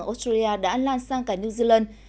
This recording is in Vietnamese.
ở australia đã lan sang cả new zealand